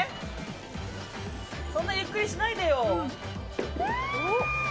そんなゆっくりしないでよ。